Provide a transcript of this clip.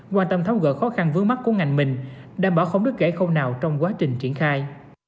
quan tâm tháo gỡ khó khăn vướng mắt của ngành mình đảm bảo không đứt gãy khâu nào trong quá trình triển khai